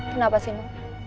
kenapa sih no